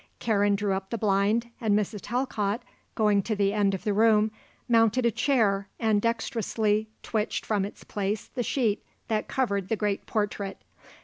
Karen drew up the blind and Mrs. Talcott, going to the end of the room, mounted a chair and dexterously twitched from its place the sheet that covered the great portrait.